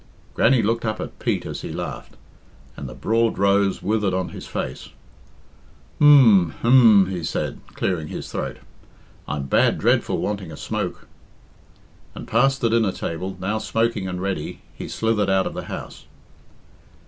Grannie looked up at Pete as he laughed, and the broad rose withered on his face. "H'm! h'm!" he said, clearing his throat; "I'm bad dreadful wanting a smook." And past the dinner table, now smoking and ready, he slithered out of the house.